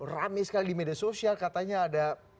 rame sekali di media sosial katanya ada